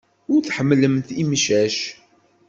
Ur tḥemmlemt imcac.